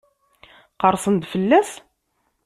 Qerrsen-d fell-as?